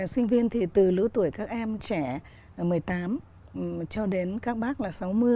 sinh viên thì từ lứa tuổi các em trẻ một mươi tám cho đến các bác là sáu mươi